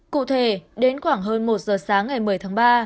cụ thể đến khoảng hơn một giờ sáng ngày một mươi tháng ba